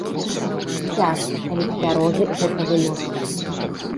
Цяжка, калі цвярозы, гэта выносіць.